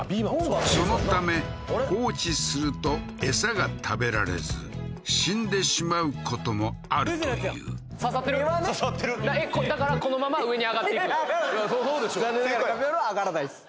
そのため放置するとえさが食べられず死んでしまうこともあるというだからいや上がらんそうでしょ残念ながらカピバラは上がらないです